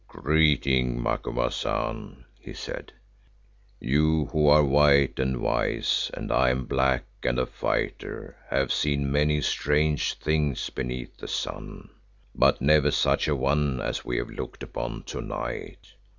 "Greeting, Macumazahn," he said, "you who are white and wise and I who am black and a fighter have seen many strange things beneath the sun, but never such a one as we have looked upon to night.